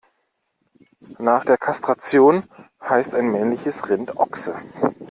Nach der Kastration heißt ein männliches Rind Ochse.